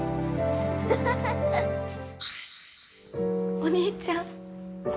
お兄ちゃん。